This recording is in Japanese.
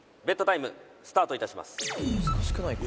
難しくないか？